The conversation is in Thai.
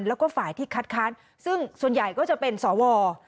แล้วก็ฝ่ายที่คัดค้านซึ่งส่วนใหญ่ก็จะเป็นสว